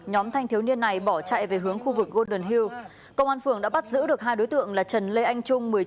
nhóm thanh thiếu niên này bỏ chạy về hướng khu vực golden hil công an phường đã bắt giữ được hai đối tượng là trần lê anh trung